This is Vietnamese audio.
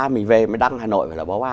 mình về mới đăng hà nội phải là báo a